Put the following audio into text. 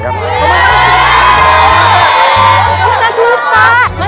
pak ustadz musa